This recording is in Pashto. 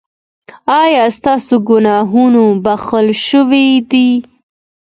ایا ستاسو ګناهونه بښل شوي دي؟